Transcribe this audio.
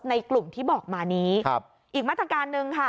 ในกลุ่มที่บอกมานี้ครับอีกมาตรการหนึ่งค่ะ